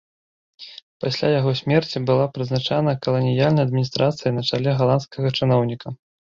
Пасля яго смерці была прызначана каланіяльная адміністрацыя на чале галандскага чыноўніка.